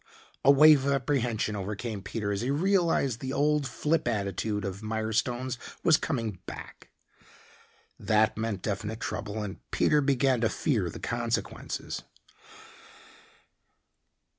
A wave of apprehension overcame Peter as he realized the old flip attitude of Mirestone's was coming back. That meant definite trouble, and Peter began to fear the consequences.